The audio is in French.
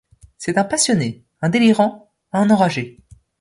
C'est un passionné, un délirant, un enragé.